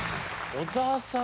小沢さん！